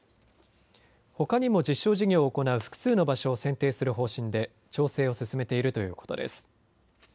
ほかにも実証事業を行う複数の場所を選定する方針で調整を進めているということです。